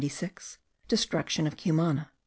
Destruction of Cumana.